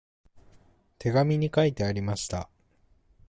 手紙に書いてありました。